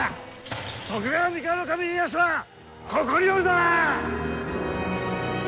徳川三河守家康はここにおるぞ！